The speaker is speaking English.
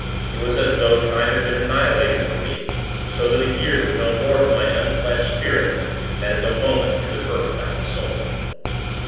It was as though time had been annihilated for me; so that a year was no more to my unfleshed spirit, than is a moment to an earth bound soul.